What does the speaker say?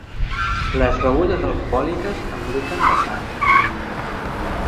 Les begudes alcohòliques embruten la sang.